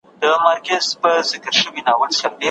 سرو کرویات اکسیجن او کاربون ډای اکسایډ لېږدوي.